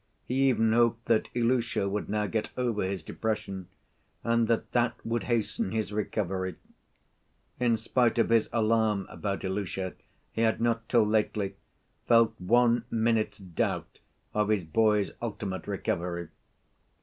He even hoped that Ilusha would now get over his depression, and that that would hasten his recovery. In spite of his alarm about Ilusha, he had not, till lately, felt one minute's doubt of his boy's ultimate recovery.